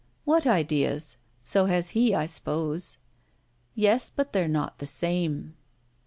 "What ideas? So has he, I suppose." "Yes, but they're not the same."